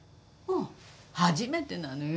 初めてなのよ